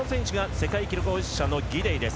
世界記録保持者のギデイです。